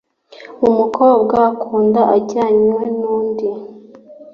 umukobwa akunda ajyanwe nundi